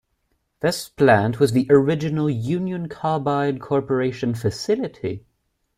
This plant was the original Union Carbide Corporation facility.